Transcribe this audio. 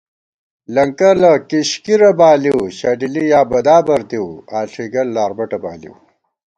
لَنکَلہ کِشکِرہ بالِؤ، شَڈِلی یا بدابر دِؤ آݪُوئیگل لاربَٹہ بالِؤ